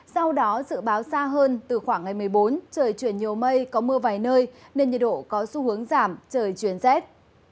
sau đó dự báo xa hơn từ khoảng ngày một mươi bốn trời chuyển nhiều mây có mưa vài nơi nên nhiệt độ có xu hướng giảm trời chuyển rét